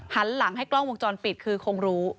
หันหลังให้กล้องวงจรปิดคือคงรู้